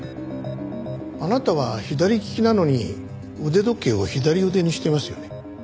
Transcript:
あなたは左利きなのに腕時計を左腕にしてますよね。